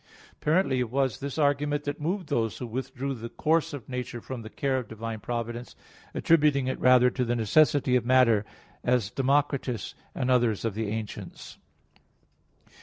Apparently it was this argument that moved those who withdrew the course of nature from the care of divine providence, attributing it rather to the necessity of matter, as Democritus, and others of the ancients.